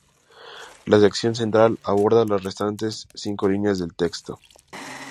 La sección central aborda las restantes cinco líneas del texto.